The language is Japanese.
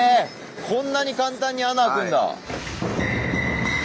こんなに簡単に穴開くんだ。